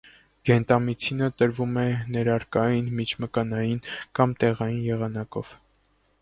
Գենտամիցինը տրվում է ներերակային, միջմկանային կամ տեղային եղանակով։